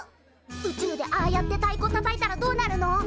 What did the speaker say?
宇宙でああやってたいこたたいたらどうなるの？